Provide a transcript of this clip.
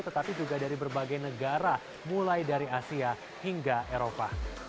tetapi juga dari berbagai negara mulai dari asia hingga eropa